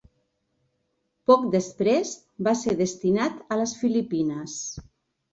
Poc després, va ser destinat a les Filipines.